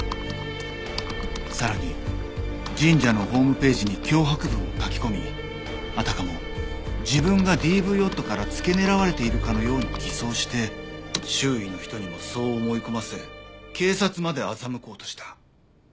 さらに神社のホームページに脅迫文を書き込みあたかも自分がＤＶ夫からつけ狙われているかのように偽装して周囲の人にもそう思い込ませ警察まで欺こうとした。